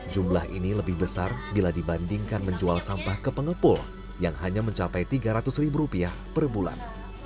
jumlah ini lebih besar bila dibandingkan menjual sampah ke pengepul yang hanya mencapai tiga ratus ribu rupiah per bulan